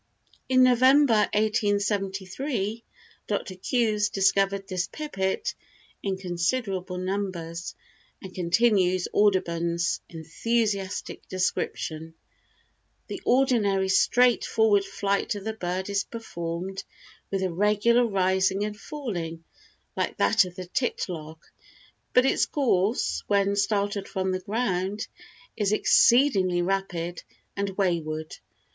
In November, 1873, Dr. Coues discovered this pipit in considerable numbers, and continues Audubon's enthusiastic description: The ordinary straightforward flight of the bird is performed with a regular rising and falling like that of the titlark; but its course, when startled from the ground, is exceedingly rapid and wayward.